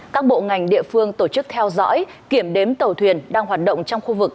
các bộ ngành địa phương tổ chức theo dõi kiểm đếm tàu thuyền đang hoạt động trong khu vực